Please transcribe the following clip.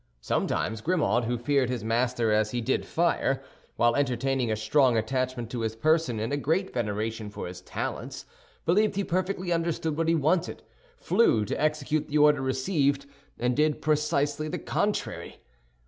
Sometimes, Grimaud, who feared his master as he did fire, while entertaining a strong attachment to his person and a great veneration for his talents, believed he perfectly understood what he wanted, flew to execute the order received, and did precisely the contrary.